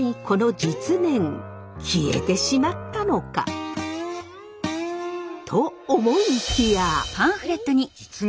消えてしまったのか？と思いきや！